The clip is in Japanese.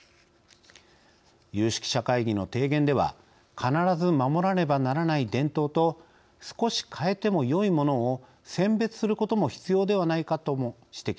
有識者会議の提言では必ず守らねばならない伝統と少し変えてもよいものを選別することも必要ではないかとも指摘しています。